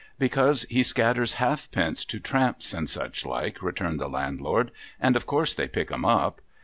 ' Because he scatters halfpence to Tramps and such like,' returned the Landlord, ' and of course they pick 'em up.